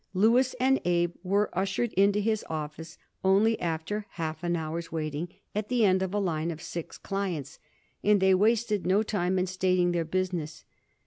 Louis and Abe were ushered into his office only after half an hour's waiting at the end of a line of six clients, and they wasted no time in stating their business.